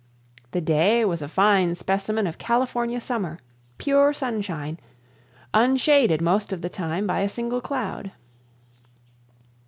The day was a fine specimen of California summer, pure sunshine, unshaded most of the time by a single cloud.